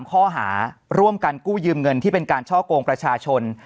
ข้อหาร่วมกันกู้ยืมเงินที่เป็นการช่อกงประชาชน